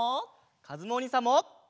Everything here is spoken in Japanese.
かずむおにいさんも！